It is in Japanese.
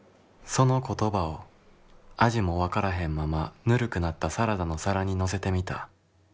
「その言葉を味も分からへんままぬるくなったサラダの皿に乗せてみた。